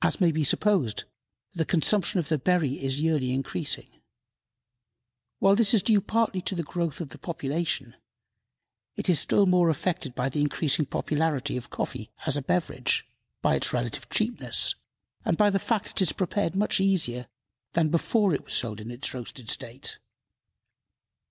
As may be supposed, the consumption of the berry is yearly increasing. While this is due partly to the growth of population, it is still more affected by the increasing popularity of coffee as a beverage, by its relative cheapness, and by the fact that it is prepared much easier than before it was sold in its roasted state.